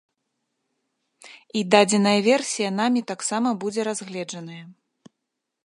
І дадзеная версія намі таксама будзе разгледжаная.